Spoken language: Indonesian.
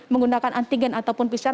menggunakan antigen ataupun pcr